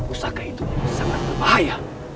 usaka itu sangat berbahaya